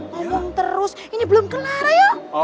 ngomong terus ini belum kelar ya